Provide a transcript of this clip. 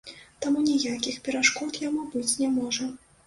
Таму ніякіх перашкод яму быць не можа.